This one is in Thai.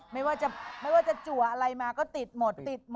ไม่ว่าจะจู๋ออะไรมาก็ติดหมด